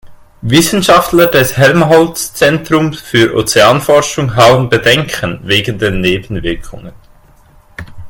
Wissenschaftler des Helmholtz-Zentrums für Ozeanforschung haben Bedenken wegen der Nebenwirkungen.